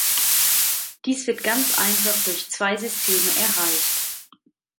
Dies wird ganz einfach durch zwei Systeme erreicht.